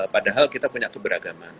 padahal kita punya keberagaman